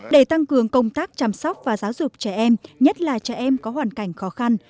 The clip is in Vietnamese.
để tăng cường công tác chăm sóc và giáo dục trẻ em nhất là trẻ em có hoàn cảnh khó khăn